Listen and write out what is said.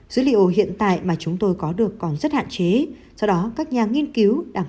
dữ liệu hiện tại mà chúng tôi có được còn rất hạn chế do đó các nhà nghiên cứu đang